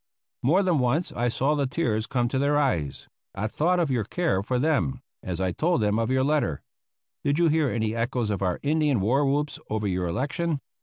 More than once I saw the tears come to their eyes, at thought of your care for them, as I told them of your letter. Did you hear any echoes of our Indian war whoops over your election?